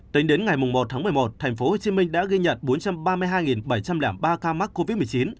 tính đến ngày một tháng một mươi một tp hcm đã ghi nhận bốn trăm ba mươi hai bảy trăm linh ba ca mắc covid một mươi chín